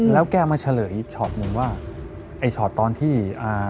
แล้วแกมาเฉลยอีกช็อตหนึ่งว่าไอ้ชอตตอนที่อ่า